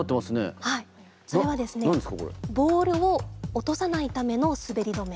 ボールを落とさないための滑り止め。